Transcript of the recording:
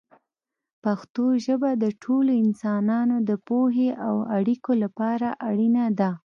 پښتو ژبه د ټولو انسانانو د پوهې او اړیکو لپاره اړینه ده.